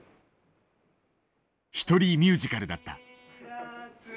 一人ミュージカルだった。